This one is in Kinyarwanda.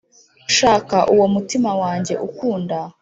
Nshaka uwo umutima wanjye ukunda